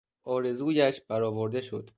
آرزویش برآورده شد.